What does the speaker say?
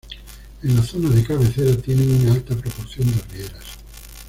En la zona de cabecera tienen una alta proporción de rieras.